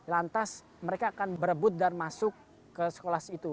lantas mereka akan berebut dan masuk ke sekolah situ